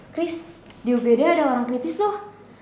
chris di ugd ada orang kritis tuh